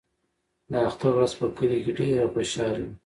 د اختر ورځ په کلي کې ډېره خوشحاله وي.